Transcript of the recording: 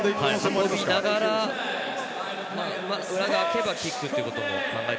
運びながら、裏が空けばキックっていうことも考えて。